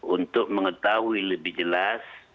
untuk mengetahui lebih jelas